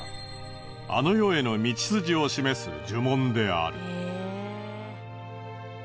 あの世への道筋を示す呪文である。